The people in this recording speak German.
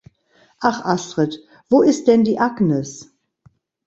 Ach Astrid,.wo ist denn die Agnes?